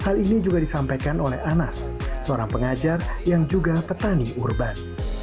hal ini juga disampaikan oleh anas seorang pengajar yang juga petani urban